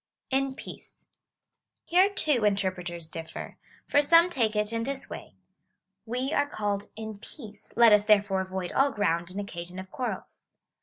^ In peace. Here, too, interpreters differ ; for some take it in this way —" We are called in peace : let us therefore avoid all ground and occasion of quarrels."